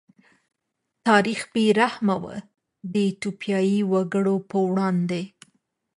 تاریخ بې رحمه و د ایتوپیايي وګړو په وړاندې.